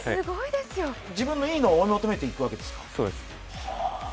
自分のいいものを追い求めていくわけですか？